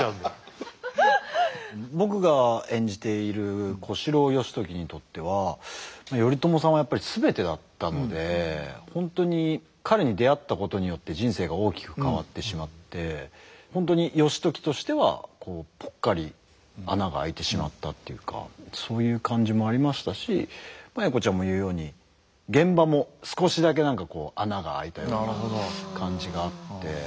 僕が演じている小四郎義時にとっては頼朝さんはやっぱり全てだったので本当に彼に出会ったことによって人生が大きく変わってしまって本当に義時としてはぽっかり穴があいてしまったっていうかそういう感じもありましたし栄子ちゃんも言うように現場も少しだけ何かこう穴があいたような感じがあって。